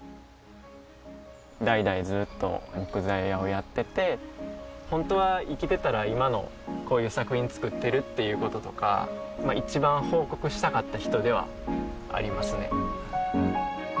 代々ずっと木材屋をやっててホントは生きてたら今のこういう作品作ってるっていうこととか一番報告したかった人ではありますね